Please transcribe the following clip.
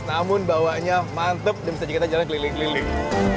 namun bawanya mantep dan bisa kita jalan keliling keliling